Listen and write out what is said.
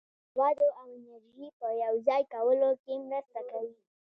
هغوی د موادو او انرژي په یوځای کولو کې مرسته کوي.